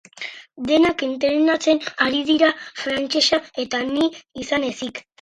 Denak entrenatzen ari dira frantsesa eta ni izan ezik.